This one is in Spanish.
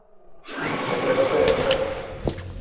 siempre nos veremos antes.